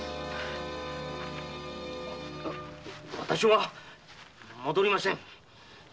私は戻りません。